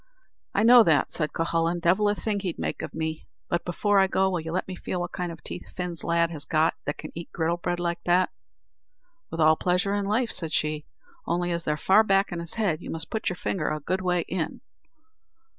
"I know that," said Cuhullin; "divil a thing else he'd make of me; but before I go, will you let me feel what kind of teeth Fin's lad has got that can eat griddle bread like that?" "With all pleasure in life," said she; "only as they're far back in his head, you must put your finger a good way in."